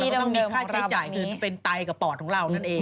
จะต้องมีค่าใช้จ่ายคือเป็นไตกับปอดของเรานั่นเอง